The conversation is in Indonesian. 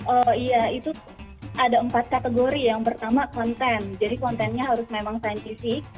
oh iya itu ada empat kategori yang pertama konten jadi kontennya harus memang saintifik